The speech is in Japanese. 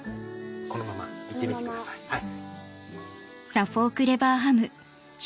このまま行ってみてください。